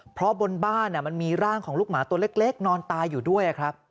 เพราะบนบ้านมันมีร่างของลูกหมาตัวเล็กนอนตายอยู่ด้วยครับ